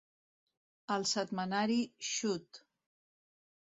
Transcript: El setmanari Xut!